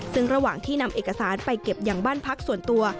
ซึ่งระหว่างที่นำเอกสารไปเก็บอย่างบ้านพักส่วนตัว